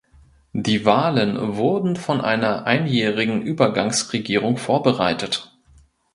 Die Wahlen wurden von einer einjährigen Übergangsregierung vorbereitet.